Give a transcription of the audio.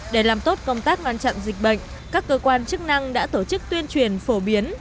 để làm tốt công tác ngăn chặn dịch bệnh các cơ quan chức năng đã tổ chức tuyên truyền phổ biến